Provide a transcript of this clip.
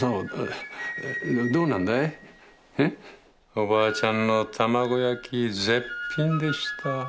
おばあちゃんの卵焼き絶品でした。